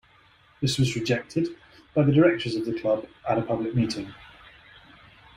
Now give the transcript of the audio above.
This was rejected by the directors of the club at a public meeting.